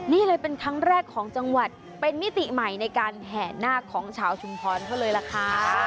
นี่เลยเป็นครั้งแรกของจังหวัดเป็นมิติใหม่ในการแห่นาคของชาวชุมพรเขาเลยล่ะค่ะ